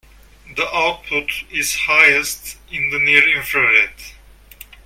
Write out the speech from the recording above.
The output is highest in the near infrared.